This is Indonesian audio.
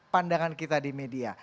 pandangan kita di media